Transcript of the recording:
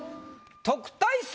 特待生